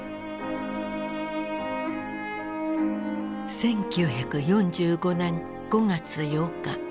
１９４５年５月８日。